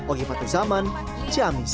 oki patu zaman camis